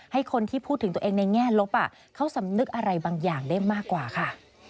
ให้คนที่พูดถึงตัวเองในแง่ลบเขาสำนึกอะไรบางอย่างได้มากกว่าค่ะ